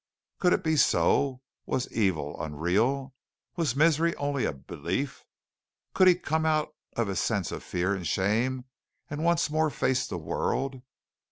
Could it be so? Was evil unreal? Was misery only a belief? Could he come out of his sense of fear and shame and once more face the world?